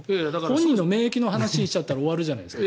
本人の免疫の話にしちゃったら終わるじゃないですか。